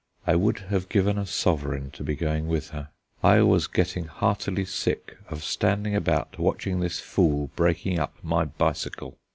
I would have given a sovereign to be going with her. I was getting heartily sick of standing about watching this fool breaking up my bicycle.